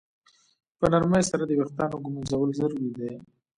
په نرمۍ سره د ویښتانو ږمنځول ضروري دي.